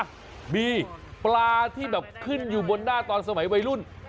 มีปลาที่แบบขึ้นอยู่บนหน้าตอนสมัยวัยรุ่น